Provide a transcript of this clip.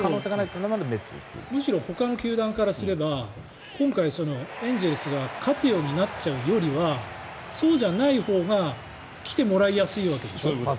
むしろほかの球団からすれば今回エンゼルスが勝つようになっちゃうよりはそうじゃないほうが来てもらいやすいわけでしょ？